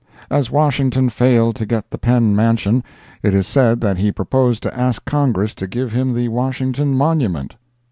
As Washington failed to get the Penn mansion, it is said that he proposed to ask Congress to give him the Washington Monument.